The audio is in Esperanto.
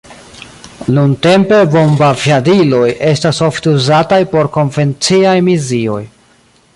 Nuntempe bombaviadiloj estas ofte uzataj por konvenciaj misioj.